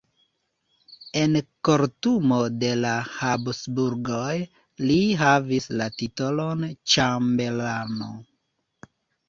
En kortumo de la Habsburgoj li havis la titolon ĉambelano.